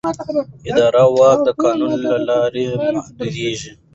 اداري واک د قانون له لارې محدودېږي.